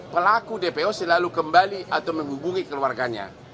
pelaku dpo selalu kembali atau menghubungi keluarganya